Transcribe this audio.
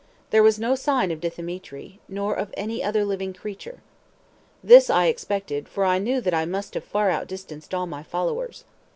There was no sign of Dthemetri, nor of any other living creature. This I expected, for I knew that I must have far out distanced all my followers.